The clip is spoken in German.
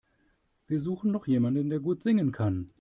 Wir suchen noch jemanden, der gut singen kann.